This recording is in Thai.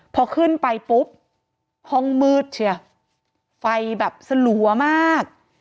พอขึ้นไปปุ๊บห้องมืดเชียวไฟแบบสลัวมาก